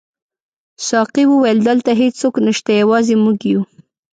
ساقي وویل: دلته هیڅوک نشته، یوازې موږ یو.